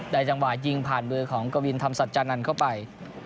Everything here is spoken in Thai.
ได้จังหวะยิงผ่านเบอร์ของกวินธรรมสัจจานันต์เข้าไป๑๐